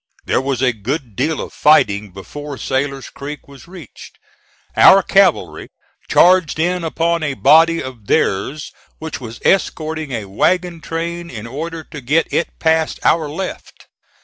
There was a good deal of fighting before Sailor's Creek was reached. Our cavalry charged in upon a body of theirs which was escorting a wagon train in order to get it past our left.